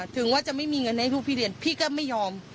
ถึงว่าจะไม่มีเงินให้ลูกพี่เรียนพี่ก็ไม่ยอม